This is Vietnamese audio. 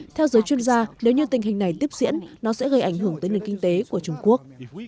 theo giới chuyên gia nếu như tình hình này tiếp diễn nó sẽ gây ảnh hưởng tới nền kinh tế của trung quốc